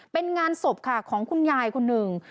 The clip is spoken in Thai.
เป็นงานศพค่ะของคุณยายคนหนึ่ง